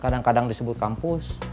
kadang kadang disebut kampus